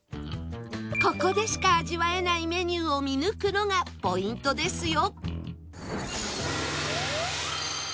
ここでしか味わえないメニューを見抜くのがポイントですよ